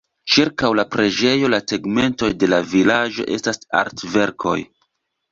Ĉirkaŭ la preĝejo, la tegmentoj de la vilaĝo estas artverkoj.